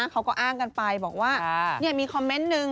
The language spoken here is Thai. เขาก็อ้างกันไปบอกว่ามีคอมเมนต์นึง